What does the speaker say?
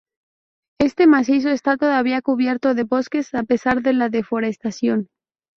Este macizo está todavía cubierto de bosques a pesar de la deforestación.